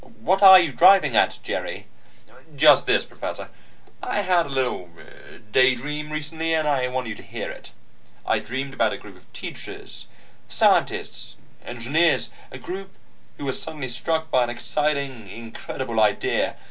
"What are you driving at, Jerry?" "Just this, Professor. I had a little daydream, recently, and I want you to hear it. I dreamed about a group of teachers, scientists, and engineers, a group who were suddenly struck by an exciting, incredible idea.